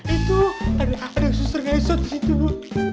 itu ada yang susur ngesut disitu bu